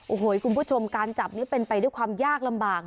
โอ้โหคุณผู้ชมการจับนี้เป็นไปด้วยความยากลำบาก